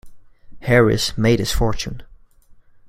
Harris made his fortune.